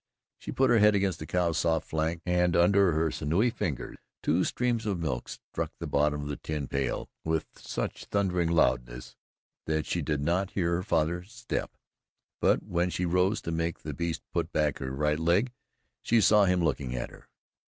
She put her head against the cow's soft flank and under her sinewy fingers two streams of milk struck the bottom of the tin pail with such thumping loudness that she did not hear her father's step; but when she rose to make the beast put back her right leg, she saw him looking at her.